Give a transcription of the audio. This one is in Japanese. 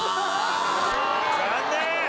残念！